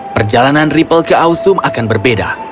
perjalanan ribble ke othum akan berbeda